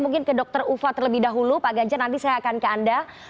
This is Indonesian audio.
mungkin ke dr ufa terlebih dahulu pak ganjar nanti saya akan ke anda